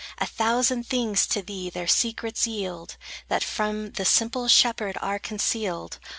A thousand things to thee their secrets yield, That from the simple shepherd are concealed.